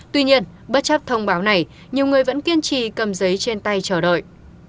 tuy nhiên bất chấp thông báo này nhiều người vẫn kiên trì cầm giấy trên tay chờ đợi